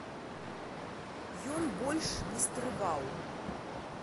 Ён больш не стрываў.